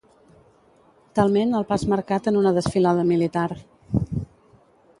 Talment el pas marcat en una desfilada militar.